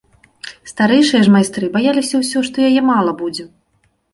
Старэйшыя ж майстры баяліся ўсё, што яе мала будзе.